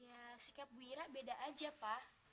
ya sikap bu ira beda aja pak